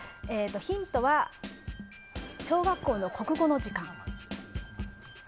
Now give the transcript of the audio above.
ヒントは、小学校の国語の時間。